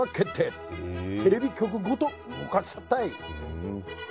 テレビ局ごと動かしたったい！